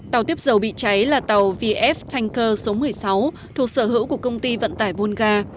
tàu tiếp dầu bị cháy là tàu vf tanker số một mươi sáu thuộc sở hữu của công ty vận tải volga